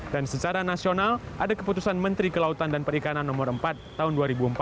dan secara nasional ada keputusan menteri kelautan dan perikanan nomor empat tahun dua ribu empat belas